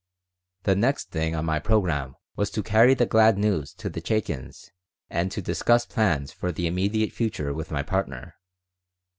The next thing on my program was to carry the glad news to the Chaikins and to discuss plans for the immediate future with my partner.